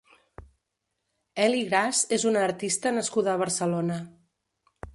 Eli Gras és una artista nascuda a Barcelona.